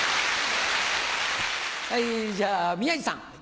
じゃあ宮治さん。